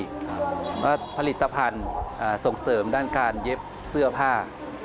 ผลิตภัณฑ์ส่งเสริมด้านการเย็บเสื้อผ้า